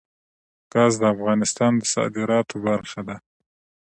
ګاز د افغانستان د صادراتو برخه ده.